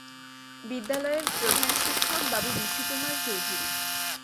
বিদ্যালয়ের প্রধান শিক্ষক বাবু বিশু কুমার চৌধুরী।